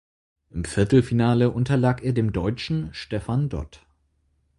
Im Viertelfinale unterlag er dem Deutschen Stefan Dott.